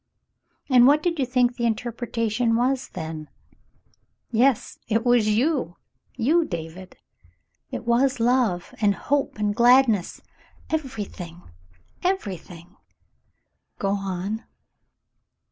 '* "And what did you think the interpretation was then ?'' "Yes, it was you — you, David. It was love — and hope — and gladness — everything, everything —" "Goon."